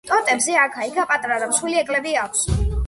ტოტებზე აქა-იქ პატარა და მსხვილი ეკლები აქვს.